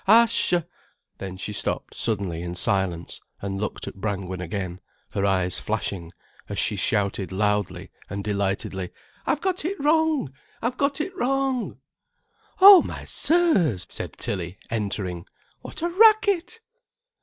Ascha!——" Then she stopped suddenly in silence and looked at Brangwen again, her eyes flashing, as she shouted loudly and delightedly: "I've got it wrong, I've got it wrong." "Oh, my sirs," said Tilly entering, "what a racket!"